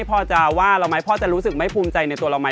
พ่อจะว่าเราไหมพ่อจะรู้สึกไม่ภูมิใจในตัวเราไหม